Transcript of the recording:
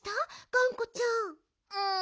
がんこちゃん。